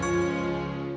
ibu pasti mau